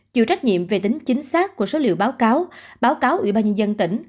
chịu trách nhiệm về tính chính xác của số liệu báo cáo báo cáo ủy ban nhân dân tỉnh